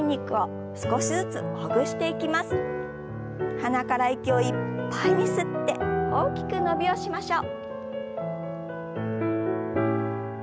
鼻から息をいっぱいに吸って大きく伸びをしましょう。